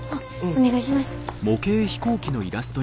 お願いします。